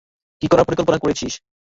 কী করার পরিকল্পনা করছিস?